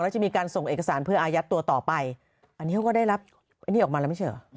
แล้วจะมีการส่งเอกสารเพื่ออายัดตัวต่อไปอันนี้เขาก็ได้รับอันนี้ออกมาแล้วไม่ใช่เหรอ